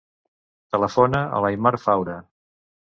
Telefona a l'Aimar Faura.